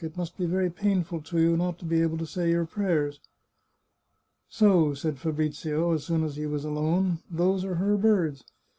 It must be very painful to you not to be able to say your prayers." " So," said Fabrizio, as soon as he was alone, " those are her birds !